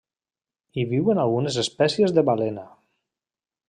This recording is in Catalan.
Hi viuen algunes espècies de balena.